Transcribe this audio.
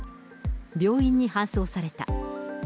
病院に搬送された。